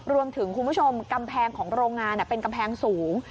คุณผู้ชมกำแพงของโรงงานเป็นกำแพงสูง